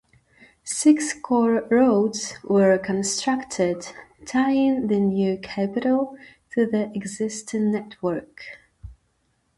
Six core roads were constructed tying the new capital to the existing network.